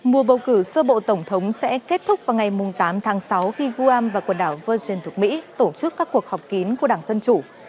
mùa bầu cử sơ bộ tổng thống sẽ kết thúc vào ngày tám tháng sáu khi guam và quần đảo virgin thuộc mỹ tổ chức các cuộc họp kín của đảng dân chủ